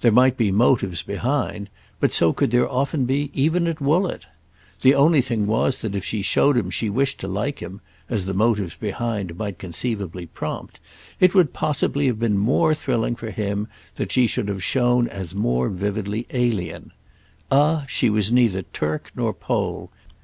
There might be motives behind, but so could there often be even at Woollett. The only thing was that if she showed him she wished to like him—as the motives behind might conceivably prompt—it would possibly have been more thrilling for him that she should have shown as more vividly alien. Ah she was neither Turk nor Pole!